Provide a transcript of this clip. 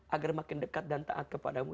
agar makin dekat dan taat kepadamu